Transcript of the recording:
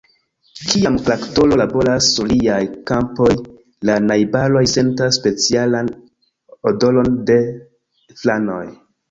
Kiam traktoro laboras sur liaj kampoj, la najbaroj sentas specialan odoron de flanoj.